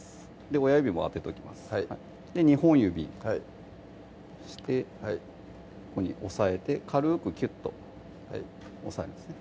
親指も当てときますはい２本指はいそしてここに押さえて軽くきゅっと押さえますね